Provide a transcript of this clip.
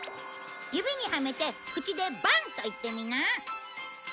指にはめて口で「バン！」と言ってみな。